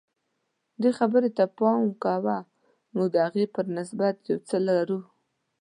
دې خبرې ته پام کوه موږ د هغې په نسبت ډېر څه لرو.